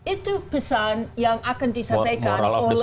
itu pesan yang akan disampaikan oleh